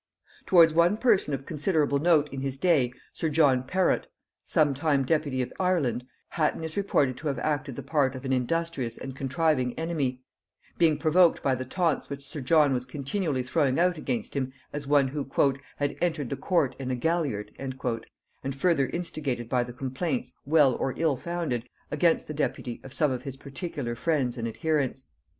Towards one person of considerable note in his day, sir John Perrot, some time deputy of Ireland, Hatton is reported to have acted the part of an industrious and contriving enemy; being provoked by the taunts which sir John was continually throwing out against him as one who "had entered the court in a galliard," and further instigated by the complaints, well or ill founded, against the deputy, of some of his particular friends and adherents.